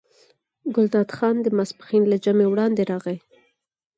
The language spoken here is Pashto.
ګلداد خان د ماسپښین له جمعې وړاندې راغی.